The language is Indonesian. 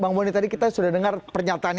bang boni tadi kita sudah dengar pernyataannya